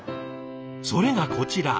それがこちら。